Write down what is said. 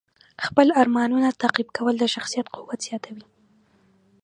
خپل ارمانونه تعقیب کول د شخصیت قوت زیاتوي.